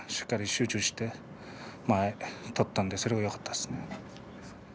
集中して取ったのでそれがよかったです。